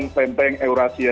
dan lempeng eurasia